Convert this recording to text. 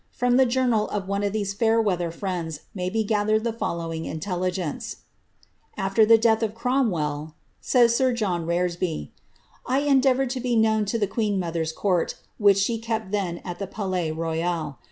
From the ioumal of one of these fair weather friends may be gathered the follow ing intelligence: ^AfVer the death of Cromwell,'^ says sir John Reresby, ^ I endeavoured to be known in the queen mother's court, which she kept then at the Palais Royal.